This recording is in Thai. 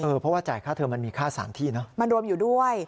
เพราะว่าจ่ายค่าเทอมมันมีค่าสารที่เนอะมันรวมอยู่ด้วย